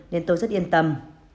nên tôi rất yên tâm